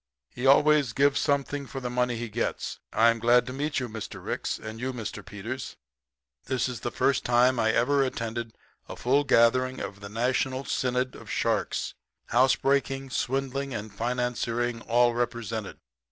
He always gives something for the money he gets. I'm glad to meet you, Mr. Ricks you and Mr. Peters. This is the first time I ever attended a full gathering of the National Synod of Sharks housebreaking, swindling, and financiering all represented.